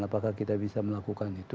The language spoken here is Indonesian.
apakah kita bisa melakukan itu